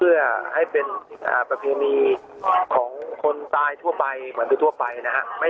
เพื่อให้เป็นประเพณีของคนตายทั่วไปเหมือนทั่วไปนะฮะ